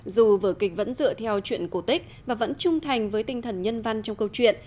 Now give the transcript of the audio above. dù vở kịch vẫn dựa theo chuyện cổ tích và vẫn trung thành với tinh thần nhân văn trong câu chuyện